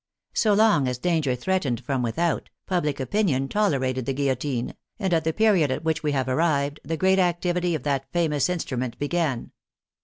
So long as danger threatened from without, public opin ion tolerated the guillotine, and at the period at which we have arrived, the great activity of that famous instrument began.